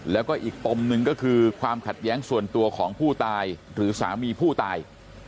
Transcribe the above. แล้วก็อีกปมหนึ่งก็คือความขัดแย้งส่วนตัวของผู้ตายหรือสามีผู้ตาย